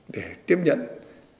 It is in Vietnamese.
để tiếp nhận các bài hỏi